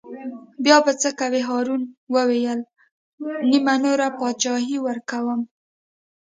بیا به څه کوې هارون وویل: نیمه نوره بادشاهي ورکووم.